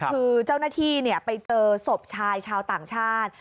คือเจ้าหน้าที่ไปเจอศพชายชาวต่างชาติ